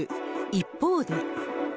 一方で。